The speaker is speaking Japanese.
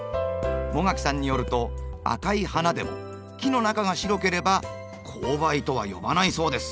茂垣さんによると赤い花でも木の中が白ければ紅梅とは呼ばないそうです。